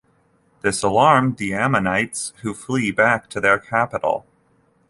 This alarmed the Ammonites, who flee back to their capital.